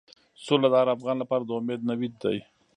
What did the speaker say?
سوله د هر افغان لپاره د امید نوید دی.